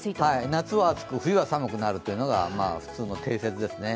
夏は暑く、冬は寒くなるというのが定説ですね。